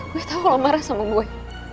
gue tau lo marah sama gue